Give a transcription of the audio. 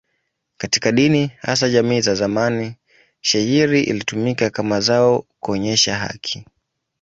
Katika dini, hasa jamii za zamani, shayiri ilitumika kama zao kuonyesha haki.